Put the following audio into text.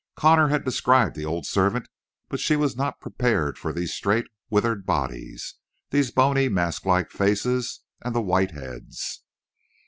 Connor had described the old servant, but she was not prepared for these straight, withered bodies, these bony, masklike faces, and the white heads.